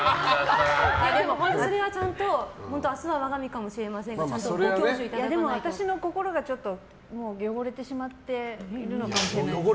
本当それはちゃんと明日は我が身かもしれないので私の心がもう汚れてしまっているのかもしれないです。